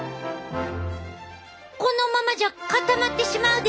このままじゃ固まってしまうで！